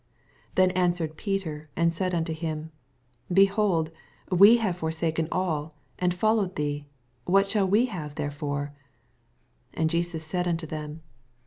27 Then answered Peter and said Onto him, Behold, we have forsaken all, and followed thee ; what shall m have therefore ? 28 And Jesus said unto them.